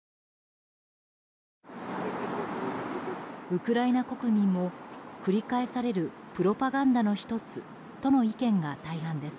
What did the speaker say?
ウクライナ国民も繰り返されるプロパガンダの１つとの意見が大半です。